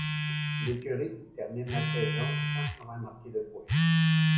L'écurie termine la saison sans avoir marqué de points.